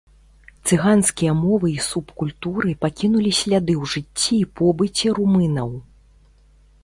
Цыганскія мовы і субкультуры пакінулі сляды ў жыцці і побыце румынаў.